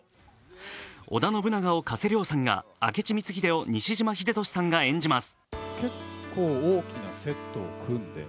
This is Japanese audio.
織田信長を加瀬亮さんが、明智光秀を西島秀俊さんが演じます。